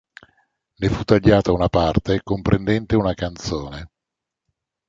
Ne fu tagliata una parte comprendente una canzone.